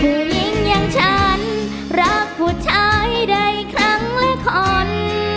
ผู้หญิงอย่างฉันรักผู้ชายใดครั้งและคน